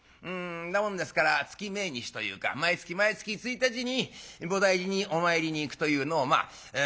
なもんですから月命日というか毎月毎月１日に菩提寺にお参りに行くというのをまあ常にしている。